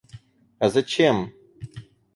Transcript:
А зачем?